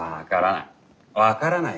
分からない。